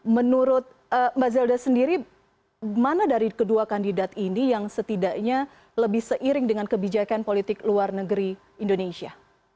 menurut mbak zelda sendiri mana dari kedua kandidat ini yang setidaknya lebih seiring dengan kebijakan politik luar negeri indonesia